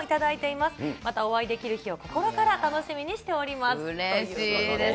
またお会いできる日を心から楽しみにしておりますということです。